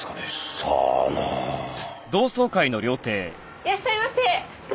いらっしゃいませ。